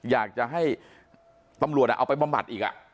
อยากจะให้ตำรวจเอาไปบำบัดอีก